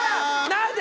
何で！